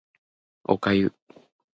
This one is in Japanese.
お粥